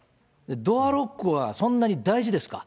ドアロックはそんなに大事ですか？